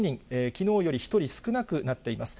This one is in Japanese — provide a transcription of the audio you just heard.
きのうより１人少なくなっています。